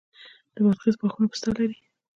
د بادغیس باغونه پسته لري.